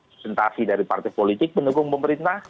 presentasi dari partai politik pendukung pemerintah